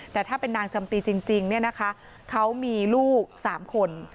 แต่ถ้าเป็นนางจำปีจริงเนี่ยนะคะเขามีลูก๓คน